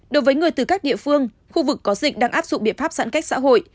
đối với người từ các địa phương khu vực có dịch đang áp dụng biện pháp giãn cách xã hội